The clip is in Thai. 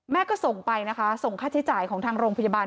ก็ส่งไปนะคะส่งค่าใช้จ่ายของทางโรงพยาบาล